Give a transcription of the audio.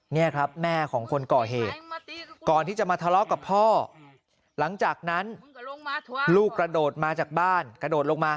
นี่ครับแม่ของคนก่อเหตุก่อนที่จะมาทะเลาะกับพ่อหลังจากนั้นลูกกระโดดมาจากบ้านกระโดดลงมา